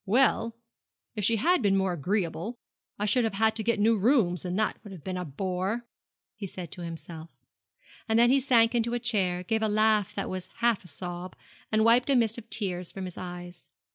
'Well, if she had been more agreeable, I should have had to get new rooms, and that would have been a bore,' he said to himself; and then he sank into a chair, gave a laugh that was half a sob, and wiped a mist of tears from his eyes.